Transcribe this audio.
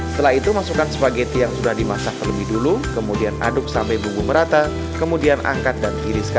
setelah itu masukkan spaghetti yang sudah dimasak terlebih dulu kemudian aduk sampai bumbu merata kemudian angkat dan tiriskan